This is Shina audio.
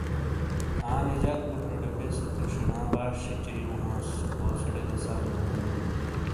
آنے جک بوٹوٹے بیسے تو شینا باش سِیچاریوں ہانس کوسیٹے گہ سم بو نے اِیں ۔